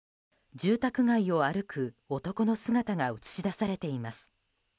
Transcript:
住宅街を歩く男の姿が映し出されています。